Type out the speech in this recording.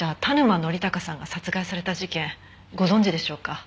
田沼典孝さんが殺害された事件ご存じでしょうか？